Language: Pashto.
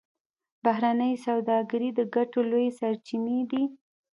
بهرنۍ سوداګري د ګټو لویې سرچینې دي